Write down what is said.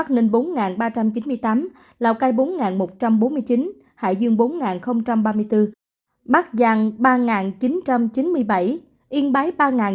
ninh bốn ba trăm chín mươi tám lào cai bốn một trăm bốn mươi chín hải dương bốn ba mươi bốn bắc giang ba chín trăm chín mươi bảy yên bái ba chín trăm chín mươi ba